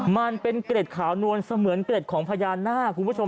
มันเป็นเกร็ดขาวนวลเสมือนเกร็ดของพญานาคคุณผู้ชม